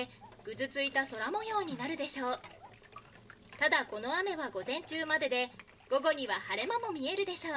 ただこの雨は午前中までで午後には晴れ間も見えるでしょう」。